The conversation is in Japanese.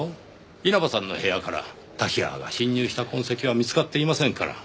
稲葉さんの部屋から瀧川が侵入した痕跡は見つかっていませんから。